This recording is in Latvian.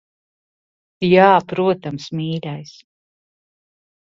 Jā, protams, mīļais.